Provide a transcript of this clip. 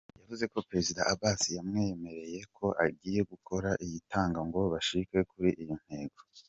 Yavuze ko Prezida Abbas yamwemereye ko agiye gukora yitanga ngo bashike kuri iyo ntego.